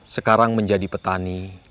sekarang menjadi petani